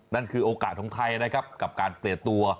นั่นคือโอกาสของไทยนะครับกับการเปลี่ยนตัว